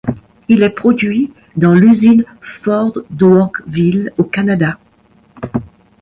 Il est produit dans l'usine Ford d'Oakville au Canada.